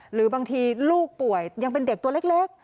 หรือบางทีลูกป่วยยังเป็นเด็กตัวเล็ก